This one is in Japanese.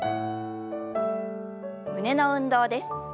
胸の運動です。